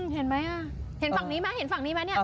เห็นไหมฝั่งนี้ไหม